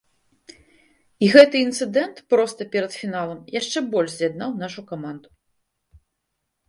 І гэты інцыдэнт проста перад фіналам яшчэ больш з'яднаў нашу каманду.